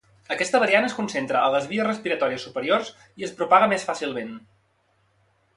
Aquesta variant es concentra a les vies respiratòries superiors i es propaga més fàcilment.